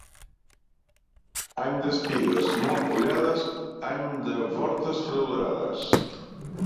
Any d'espigues molt fullades, any de fortes fredorades.